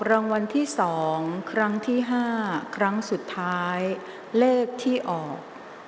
รางวัลที่๒ครั้งที่๕ครั้งสุดท้ายเลขที่ออก